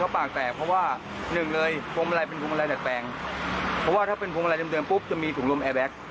เพราะว่าถ้าเป็นภูมิบัลลายเดิมปุ๊บจะมีถุงลมแอร์แบล็ค